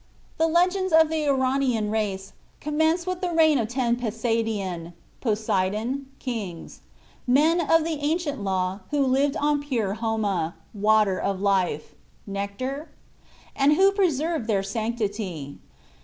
The legends of the Iranian race commence with the reign of ten Peisdadien (Poseidon?) kings, 'men of the ancient law, who lived on pure Homa (water of life)' (nectar?), 'and who preserved their sanctity.'